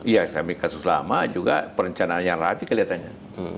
iya karena kasus lama juga perencanaannya lagi kelihatannya